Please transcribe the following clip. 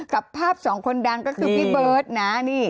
กับภาพที่๒คนดังก็คือพี่เบิ้ดหน้านี่